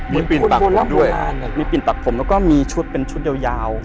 มีปิ่นปากผมด้วยมีปิ่นตัดผมแล้วก็มีชุดเป็นชุดยาว